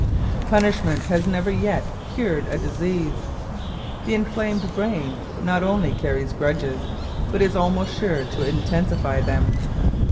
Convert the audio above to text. Punishment has never yet cured a disease. The inflamed brain not only carries grudges, but is almost sure to intensify them.